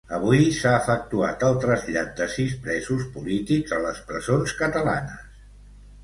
Avui s'ha efectuat el trasllat de sis presos polítics a les presons catalanes.